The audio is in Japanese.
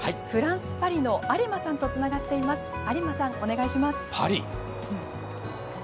フランス・パリの有馬さんとつながっています。